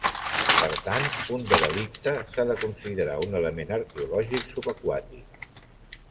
Per tant, un derelicte s'ha de considerar un element arqueològic subaquàtic.